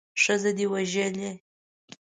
ښځه دې وژلې.